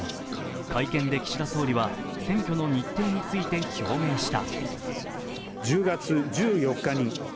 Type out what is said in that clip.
会見で岸田総理は選挙の日程について表明した。